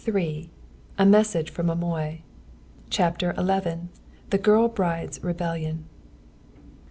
THE MESSAGE FROM AMOY. CHAPTER XI. THE GIRL BRIDE'S REBELLION.